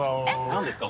何ですか？